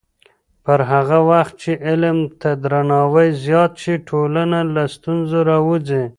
پر هغه وخت چې علم ته درناوی زیات شي، ټولنه له ستونزو راووځي.